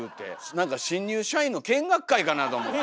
何か新入社員の見学会かなと思って。